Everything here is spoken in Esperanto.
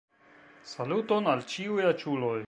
Saluton al ĉiuj aĉuloj